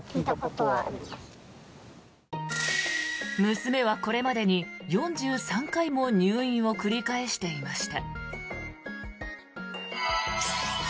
娘はこれまでに４３回も入院を繰り返していました。